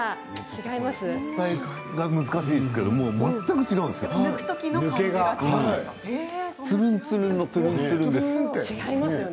違いが難しいですけれども全く違うんですよ。